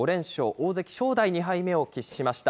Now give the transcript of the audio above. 大関・正代、２敗目を喫しました。